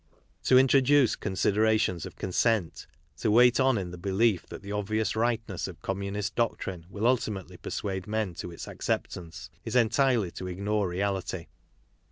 To introduce considerations of consent, to wait on in the belief that the obvious tightness of communist doc trine will ultimately persuade men to its acceptance, is entirely to ignore reality.